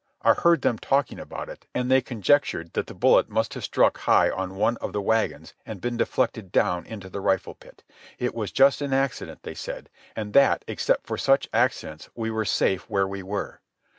I heard them talking about it, and they conjectured that the bullet must have struck high on one of the wagons and been deflected down into the rifle pit. It was just an accident, they said, and that except for such accidents we were safe where we were.